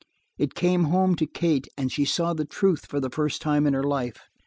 It came home to Kate and she saw the truth for the first time in her life.